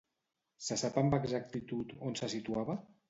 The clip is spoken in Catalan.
Se sap amb exactitud on se situava?